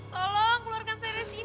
tolong keluarkan saya dari sini